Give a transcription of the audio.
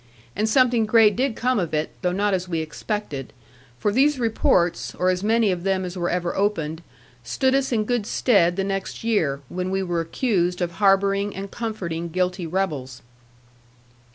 And something great did come of it, though not as we expected; for these reports, or as many of them as were ever opened, stood us in good stead the next year, when we were accused of harbouring and comforting guilty rebels.